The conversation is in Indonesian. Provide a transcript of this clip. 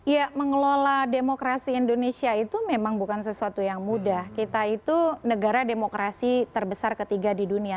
ya mengelola demokrasi indonesia itu memang bukan sesuatu yang mudah kita itu negara demokrasi terbesar ketiga di dunia